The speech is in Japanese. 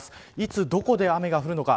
いつどこで、雨が降るのか。